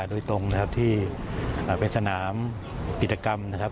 โดยตรงนะครับที่เป็นสนามกิจกรรมนะครับ